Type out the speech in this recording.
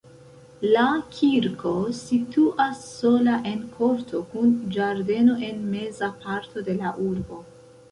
La kirko situas sola en korto kun ĝardeno en meza parto de la urbo.